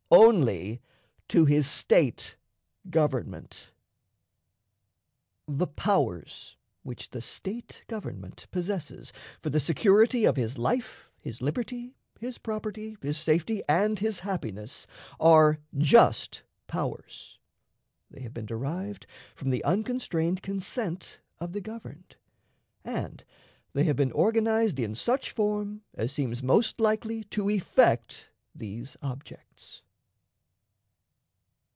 Only to his State government. The powers which the State government possesses for the security of his life, his liberty, his property, his safety, and his happiness, are "just powers." They have been derived from the unconstrained consent of the governed, and they have been organized in such form as seems most likely to effect these objects.